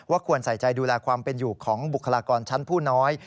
ควรใส่ใจดูแลความเป็นอยู่ของบุคลากรชั้นผู้น้อย